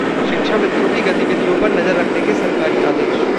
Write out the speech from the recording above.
शिक्षा मित्रों की गतिविधियों पर नजर रखने के सरकारी आदेश